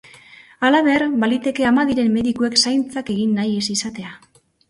Halaber, baliteke ama diren medikuek zaintzak egin nahi ez izatea.